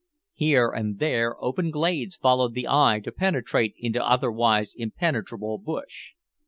Here and there open glades allowed the eye to penetrate into otherwise impenetrable bush.